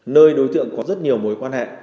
nơi đối tượng có rất nhiều mối quan hệ